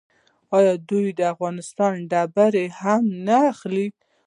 آیا دوی د افغانستان ډبرې هم نه اخلي؟